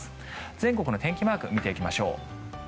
全国の天気マークを見ていきましょう。